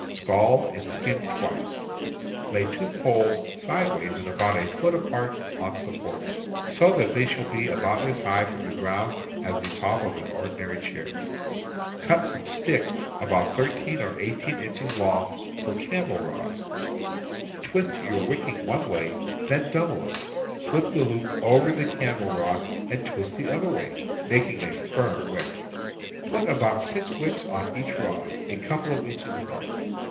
Scald and skim twice. Lay two poles sidewise and about a foot apart on sup ports, so that they shall be about as high from the ground as the top of an ordinary chair; cut some sticks about 15 or 18 inches long for candle rods; twist your wicking one way, then double it; slip the loop over the candle rod and twist the other way, mak ing a firm wick; put about sLx wicks on each rod, a couple of inches apart.